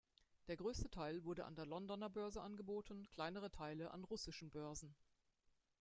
Der größte Teil wurde an der Londoner Börse angeboten, kleinere Teile an russischen Börsen.